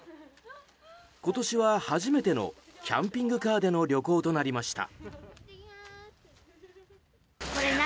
今年は初めてのキャンピングカーでの旅行となりました。